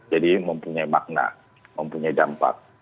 jadi mempunyai makna mempunyai dampak